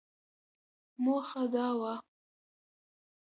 موخه دا وه ،